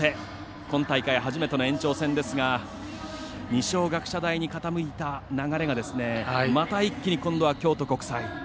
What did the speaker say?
今大会初めての延長戦ですが二松学舎大に傾いた流れがまた一気に京都国際。